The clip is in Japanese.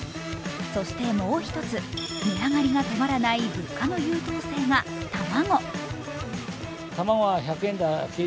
そしてもう１つ、値上がりが止まらない物価の優等生が卵。